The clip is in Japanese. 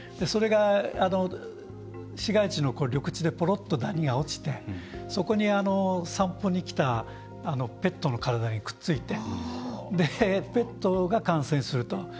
それが市街地の緑地でポロッとダニが落ちてそこに、散歩に来たペットの体にくっついてで、ペットが感染すると。